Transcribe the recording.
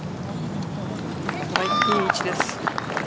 いい位置です。